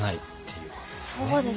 そうですね。